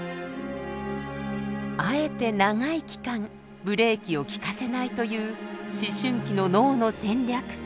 あえて長い期間ブレーキを効かせないという思春期の脳の戦略。